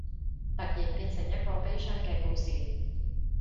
突然變成一個悲傷嘅故事